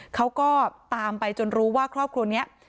เขาก็ตามไปจนรู้ว่าครอบครัวนี้